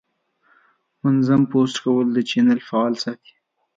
منظم پوسټ کول د چینل فعال ساتي.